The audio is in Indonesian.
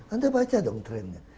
anda baca dong trennya